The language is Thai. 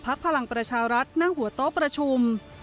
พลังประชารัฐนั่งหัวโต๊ะประชุม